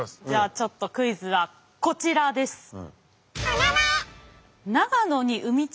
じゃあちょっとクイズはこちらです。